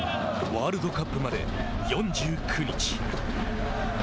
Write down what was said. ワールドカップまで４９日。